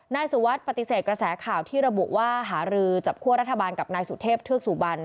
นายสุวัสดิ์ปฏิเสธกระแสข่าวที่ระบุว่าหารือจับคั่วรัฐบาลกับนายสุเทพเทือกสุบัน